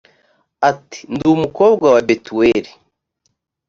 ati ndi umukobwa wa betuweli